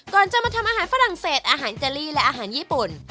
ก่อนจะมาทำอาหารฝรั่งเศสอาหารอิตาลีและอาหารญี่ปุ่น